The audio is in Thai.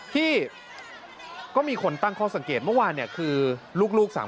ที่ก็มีคนตั้งข้อสังเกตเมื่อวานเนี่ยคือลูก๓คน